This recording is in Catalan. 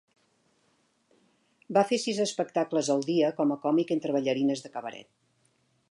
Va fer sis espectacles al dia com a còmic entre ballarines de cabaret.